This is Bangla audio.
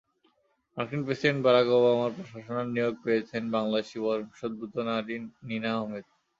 মার্কিন প্রেসিডেন্ট বারাক ওবামার প্রশাসনে নিয়োগ পেয়েছেন বাংলাদেশি বংশোদ্ভূত নারী নিনা আহমেদ।